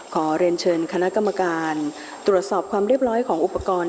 ขอเรียนเชิญคณะกรรมการตรวจสอบความเรียบร้อยของอุปกรณ์